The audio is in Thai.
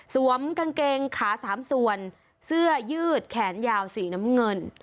กางเกงขาสามส่วนเสื้อยืดแขนยาวสีน้ำเงิน